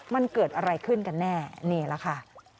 มันเกิดอะไรขึ้นกันแน่นี่แหละค่ะ